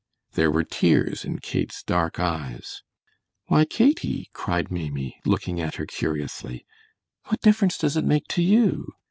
There were tears in Kate's dark eyes. "Why, Katie," cried Maimie, looking at her curiously, "what difference does it make to you?